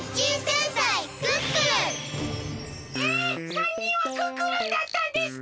３にんはクックルンだったんですか！？